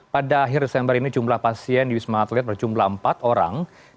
pada akhir desember ini jumlah pasien di wisma atlet berjumlah empat orang